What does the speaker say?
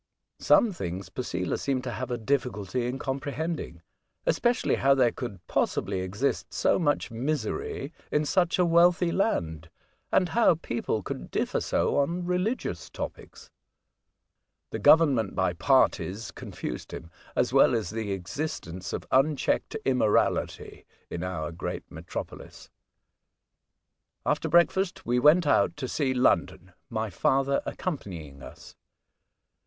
Some things Posela seemed to have a difficulty in comprehending, especially how there could possibly exist so much misery in such a wealthy land, and how people could differ so on religious topics. The government by parties confused him, as well as the existence of unchecked immorality in our great metropolis. After breakfast we went out to see London, my father accompanying us.